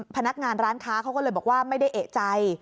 พนักงานร้านค้าเขาก็เลยบอกว่าไม่ได้เอกใจ